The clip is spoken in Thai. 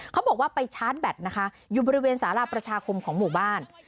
เขาบอกว่าไปชาร์จแบตนะคะอยู่บริเวณสาราประชาคมของหมู่บ้าน